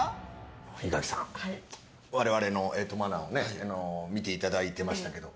井垣さん、我々のマナーを見ていただいてましたけど。